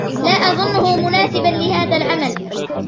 لا أظنه مناسبا لهذا العمل.